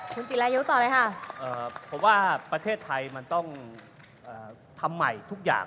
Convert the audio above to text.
เพราะว่าประเทศไทยมันต้องทำใหม่ทุกอย่าง